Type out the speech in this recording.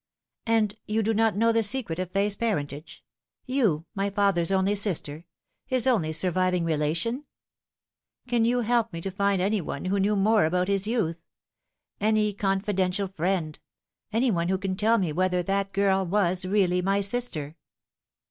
" And you do not know the secret of Fay's parentage you, my father's only sister his only surviving relation ? Can you help me to find any one who knew more about his youth any confidential friend any one who can tell me whether that girl was really my sister